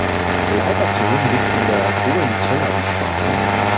Leibertingen liegt an der Hohenzollernstraße.